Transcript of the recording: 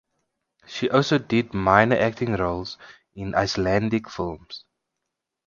She also did minor acting roles in Icelandic films.